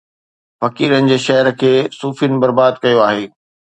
فقيرن جي شهر کي صوفين برباد ڪيو آهي